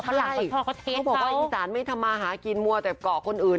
เขาบอกว่าอีสานไม่ทำมาหากินมัวแต่เกาะคนอื่น